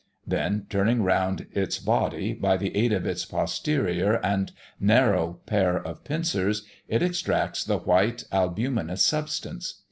Then, turning round its body, by the aid of its posterior and narrow pair of pincers, it extracts the white albuminous substance.